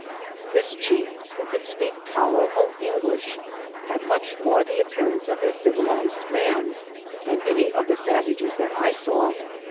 This chief, who could epeak tolerable English, had much more the appearance of a civilized man, than any of the savages that I saw.